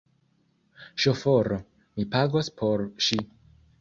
Ŝoforo! Mi pagos por ŝi